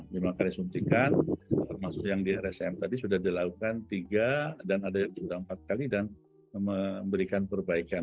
lima kali suntikan termasuk yang di rsm tadi sudah dilakukan tiga dan ada yang sudah empat kali dan memberikan perbaikan